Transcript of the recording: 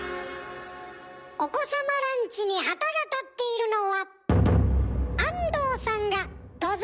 お子様ランチに旗が立っているのは安藤さんが登山好きだったから。